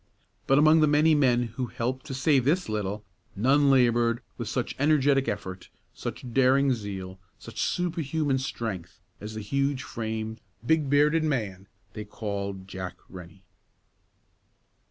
But among the many men who helped to save this little, none labored with such energetic effort, such daring zeal, such superhuman strength, as the huge framed, big bearded man they called Jack Rennie.